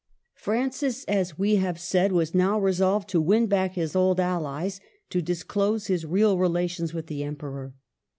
Francis, as we have said, was now resolved to win back his old allies, to disclose his real rela tions with the Emperor.